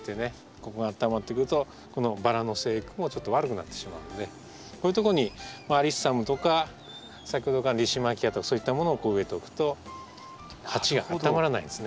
ここがあったまってくるとこのバラの生育もちょっと悪くなってしまうのでこういうとこにアリッサムとか先ほどからのリシマキアとかそういったものを植えておくと鉢があったまらないんですね。